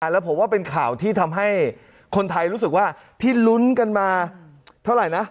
แล้วผมว่าเป็นข่าวที่ทำให้คนไทยรู้สึกว่าที่ลุ้นกันมาเท่าไหร่นะ